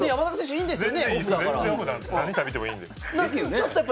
いいですよ。